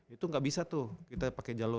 itu nggak bisa tuh kita pakai jalur